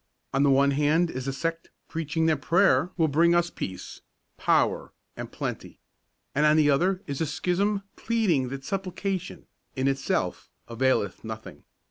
On the one hand is a sect preaching that prayer will bring us peace, power and plenty, and on the other is a schism pleading that supplication, in itself, availeth nothing.